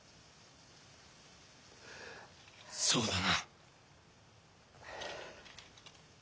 そうだな。